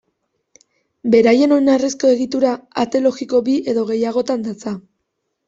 Beraien oinarrizko egitura, ate logiko bi edo gehiagotan datza.